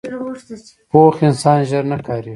پوخ انسان ژر نه قهرېږي